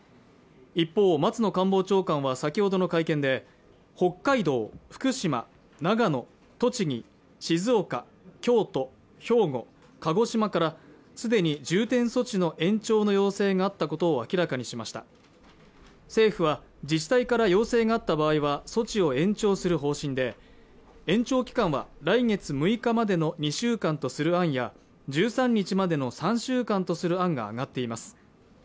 一方松野官房長官は先ほどの会見で北海道、福島、長野、栃木静岡、京都兵庫、鹿児島からすでに重点措置の延長の要請があったことを明らかにしました政府は自治体から要請があった場合は措置を延長する方針で延長期間は来月６日までの２週間とする案や１３日までの３週間とする案が上がっています